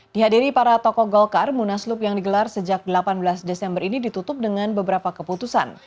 dihadiri para tokoh golkar munaslup yang digelar sejak delapan belas desember ini ditutup dengan beberapa keputusan